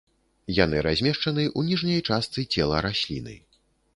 Яны размешчаны ў ніжняй частцы цела расліны.